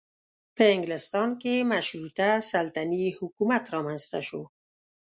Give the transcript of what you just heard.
په انګلستان کې مشروطه سلطنتي حکومت رامنځته شو.